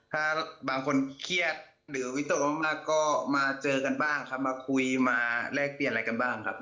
ถ้าบางคนเครียดหรือวิตกมากก็มาเจอกันบ้างครับมาคุยมาแลกเปลี่ยนอะไรกันบ้างครับ